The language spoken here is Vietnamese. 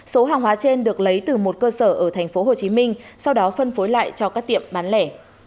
số hàng hóa trên được lấy từ một cơ sở ở thành phố hồ chí minh sau đó phân phối lại cho các tiệm bán lẻ